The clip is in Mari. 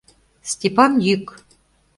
Степан йӱк.